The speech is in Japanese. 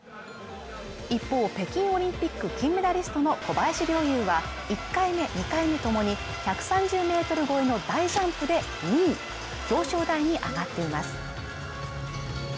一方北京オリンピック金メダリストの小林陵侑は１回目２回目ともに１３０ｍ越えの大ジャンプで表彰台に上がっています